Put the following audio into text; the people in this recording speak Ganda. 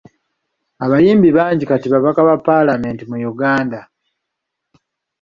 Abayimbi bangi kati babaka ba Paalamenti mu Uganda.